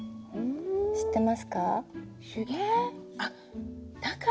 知ってますか？